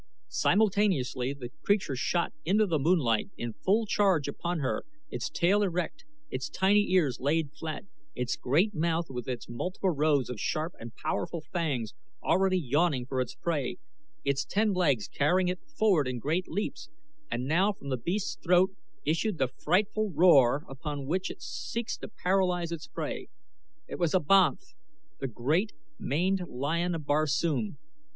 Simultaneously the creature shot into the moonlight in full charge upon her, its tail erect, its tiny ears laid flat, its great mouth with its multiple rows of sharp and powerful fangs already yawning for its prey, its ten legs carrying it forward in great leaps, and now from the beast's throat issued the frightful roar with which it seeks to paralyze its prey. It was a banth the great, maned lion of Barsoom.